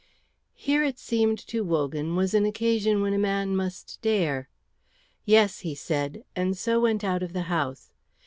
Here it seemed to Wogan was an occasion when a man must dare. "Yes," he said, and so went out of the house.